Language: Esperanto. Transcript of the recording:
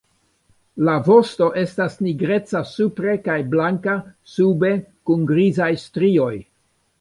La vosto estas nigreca supre kaj blanka sube kun grizaj strioj.